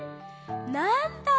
なんだ！